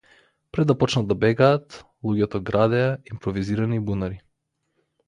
Пред да почнат да бегаат, луѓето градеа импровизирани бунари.